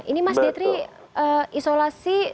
ini mas detri isolasi